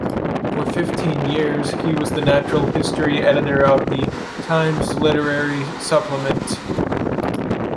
For fifteen years he was the natural history editor of the "Times Literary Supplement".